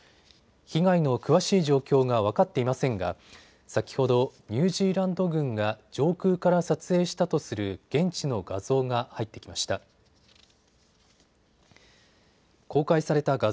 被害の詳しい状況が分かっていませんが先ほどニュージーランド軍が上空から撮影したとする現地の画像が入ってきました。